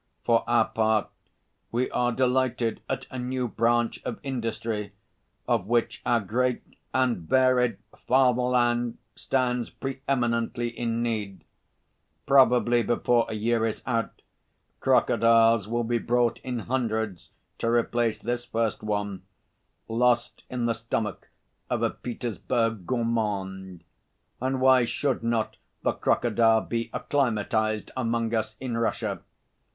For our part, we are delighted at a new branch of industry, of which our great and varied fatherland stands pre eminently in need. Probably before a year is out crocodiles will be brought in hundreds to replace this first one, lost in the stomach of a Petersburg gourmand. And why should not the crocodile be acclimatised among us in Russia?